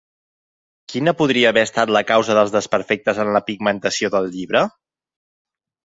Quina podria haver estat la causa dels desperfectes en la pigmentació del llibre?